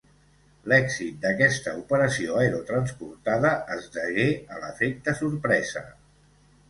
L'èxit d'aquesta operació aerotransportada es degué a l'efecte sorpresa.